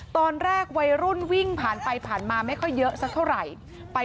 ตอนแรกวัยรุ่นวิ่งผ่านไปผ่านมาไม่ค่อยเยอะสักเท่าไหร่